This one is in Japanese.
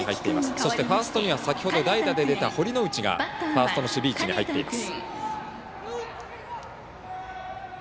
そして、ファーストには先ほど代打で出た、堀之内がファーストの守備位置に入っています。